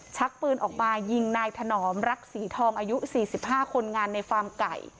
ชักปืนออกมายิงนายถนอมรักษีทองอายุ๔๕คนงานในฟาร์มไก่